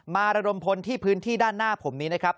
ระดมพลที่พื้นที่ด้านหน้าผมนี้นะครับ